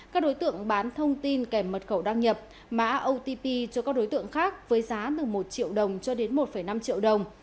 các đối tượng bán thông tin kèm mật khẩu đăng nhập mã otp cho các đối tượng khác với giá từ một triệu đồng cho đến một năm triệu đồng